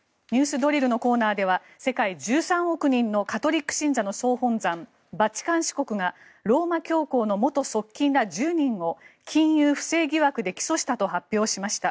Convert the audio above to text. ドリルのコーナーでは世界１３億人のカトリック信者の総本山バチカン市国がローマ教皇の元側近ら１０人を金融不正疑惑で起訴したと発表しました。